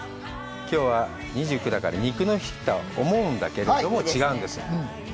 きょうは２９だから、肉の日だと思うんだけれども、違うんです。